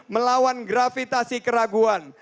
melawan gravitasi keraguan